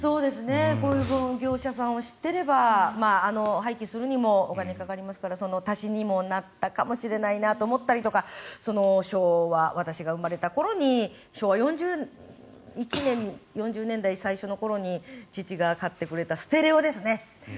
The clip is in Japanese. こういう業者さんを知っていれば廃棄するにもお金がかかりますからその足しになったかもしれないと思ったりとか昭和、私が生まれた頃に昭和４０年代最初の頃に父が買ってくれたステレオですね